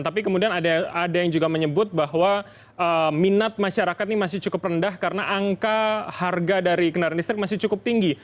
tapi kemudian ada yang juga menyebut bahwa minat masyarakat ini masih cukup rendah karena angka harga dari kendaraan listrik masih cukup tinggi